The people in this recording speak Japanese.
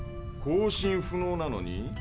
交信不能なのに？